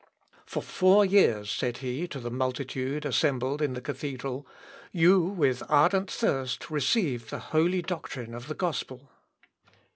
"For four years," said he to the multitude assembled in the cathedral, "you with ardent thirst received the holy doctrine of the gospel.